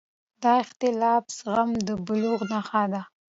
د اختلاف زغم د بلوغ نښه ده